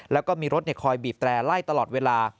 แล้วก็มีรถคอยบีบแตร่ไล่ตลอดเวลา